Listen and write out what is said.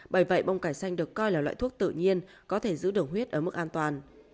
bởi vậy bông cải xanh được coi là loại thuốc tự nhiên có thể giữ đường huyết ở mức an toàn